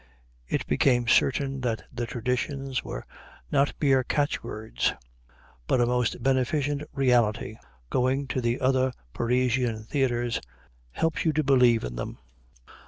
It became certain that the "traditions" were not mere catchwords, but a most beneficent reality. Going to the other Parisian theaters helps you to believe in them.